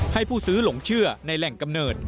ให้ผู้ซื้อหลงเชื่อในแหล่งกำเนิด